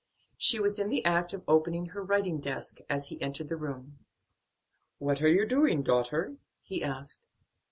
She was in the act of opening her writing desk as he entered the room. "What are you doing, daughter?" he asked.